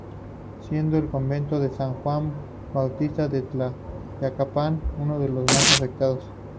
Siendo el Convento de San Juan Bautista en Tlayacapan uno de los más afectados.